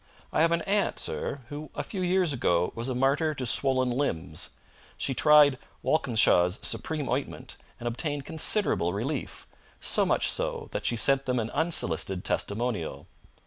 I have an aunt, sir, who a few years ago was a martyr to swollen limbs. She tried Walkinshaw's Supreme Ointment and obtained considerable relief so much so that she sent them an unsolicited testimonial.